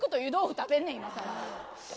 食べんねん、今さら。